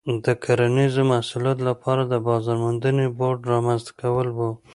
د کرنیزو محصولاتو لپاره د بازار موندنې بورډ رامنځته کول و.